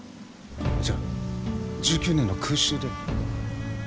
じゃあ１９年の空襲で？